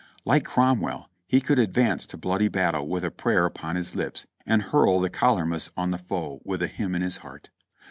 Like Cromwell, he could advance to bloody battle with a prayer upon his lips, and hurl the colermus on the foe with a hymn in his heart.